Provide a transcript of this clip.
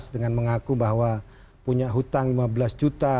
dengan mengaku bahwa punya hutang lima belas juta